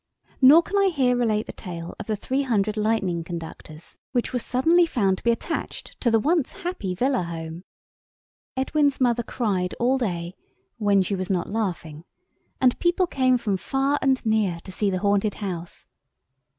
Nor can I here relate the tale of the three hundred lightning conductors which were suddenly found to be attached to the once happy villa home. Edwin's mother cried all day when she was not laughing, and people came from far and near to see the haunted house.